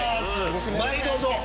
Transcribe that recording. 前へどうぞ。